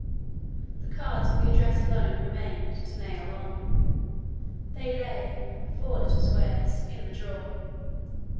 The cards of address alone remained to nail on: they lay, four little squares, in the drawer.